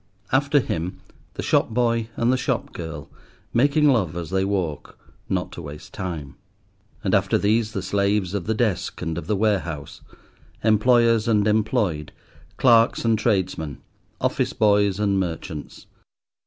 After him, the shop boy and the shop girl, making love as they walk, not to waste time. And after these the slaves of the desk and of the warehouse, employers and employed, clerks and tradesmen, office boys and merchants.